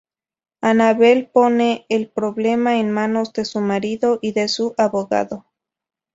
Anabel pone el problema en manos de su marido y de su abogado.